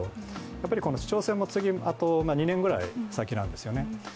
やっぱり市長選も、２年ぐらい先なんですね